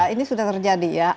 ini sudah terjadi ya